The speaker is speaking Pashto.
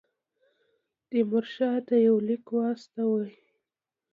تیمورشاه ته یو لیک واستوي.